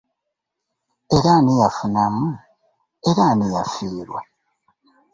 Era ani yafunamu era ani yafiirwa.